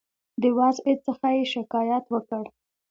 د وضع څخه یې شکایت وکړ.